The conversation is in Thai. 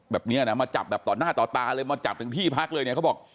แบบนี้นะมาจับแบบต่อหน้าต่อตาเลยมาจับถึงที่พักเลยเนี่ยเขาบอก